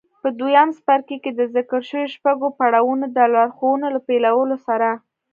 په دويم څپرکي کې د ذکر شويو شپږو پړاوونو د لارښوونو له پيلولو سره.